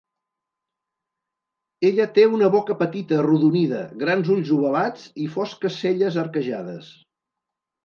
Ella té una boca petita arrodonida, grans ulls ovalats i fosques celles arquejades.